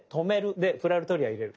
でプラルトリラー入れる。